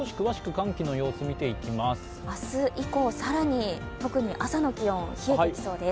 明日以降、更に朝の気温、冷えてきそうです。